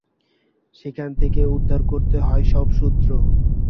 সেখান থেকে উদ্ধার করতে হয় সব সূত্র।